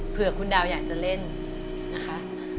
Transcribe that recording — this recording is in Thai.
เพื่อคุณดาวอยากจะเล่นนะคะ